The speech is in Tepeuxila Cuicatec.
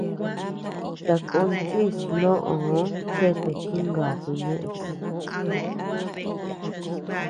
Sakón chís nóʼoo chete jinkatu ñëʼes.